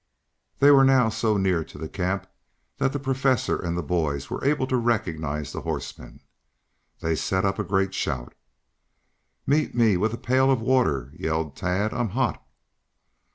They were now so near to the camp that the Professor and the boys were able to recognize the horsemen. They set up a great shout. "Meet me with a pail of water," yelled Tad. "I'm hot."